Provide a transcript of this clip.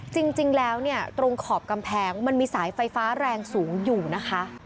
จริงแล้วเนี่ยตรงขอบกำแพงมันมีสายไฟฟ้าแรงสูงอยู่นะคะ